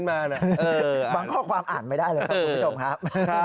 บางข้อความอ่านไม่ได้เลยครับคุณผู้ชมครับ